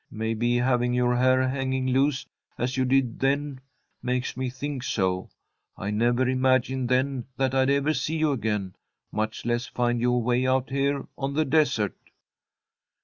Maybe having your hair hanging loose as you did then makes me think so. I never imagined then that I'd ever see you again, much less find you away out here on the desert."